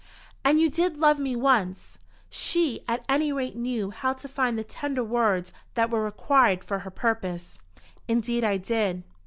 "And you did love me once?" She at any rate knew how to find the tender words that were required for her purpose. "Indeed I did."